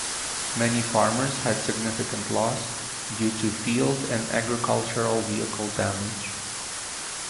Many farmers had significant loss due to field and agricultural vehicle damage.